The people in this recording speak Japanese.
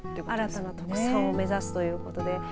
新たな特産を目指すということで。